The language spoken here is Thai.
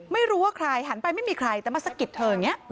ไม่รู้ว่าใครหันไปไม่มีใครแต่มาสะกิดเธอ